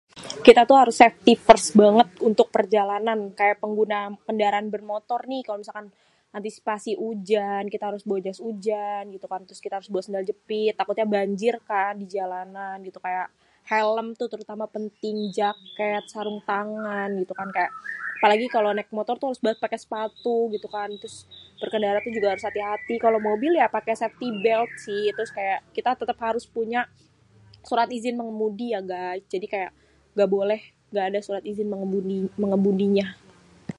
Kita tuh harus safety first banget kalo perjalanan. Kayak pengguna kendaraan bermotor nih kalo misalkan antisipasi ujan, kita harus bawa jas ujan gitu kan. Terus kita harus bawa sendal jepit. Takutnya banjirkan di jalanan gitu kayak helm tuh terutama penting, jaket, sarung tangan gitu kan kayak apalagi kalo naek motor harus banget paké sepatu gitu kan. Terus berkendara tuh juga harus hati-hati, kalo mobil ya paké safety belt sih terus kayak kita tetep harus punya surat izin mengemudi ya guys. Jadi kayak gak boleh gak ada surat izin mengemudinya.